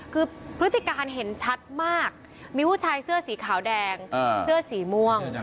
คือพฤติการเห็นชัดมากมีผู้ชายเสื้อสีขาวแดงเสื้อสีม่วง